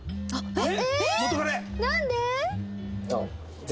えっ？